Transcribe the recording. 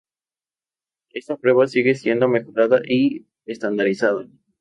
Esta prueba sigue siendo mejorada y estandarizada.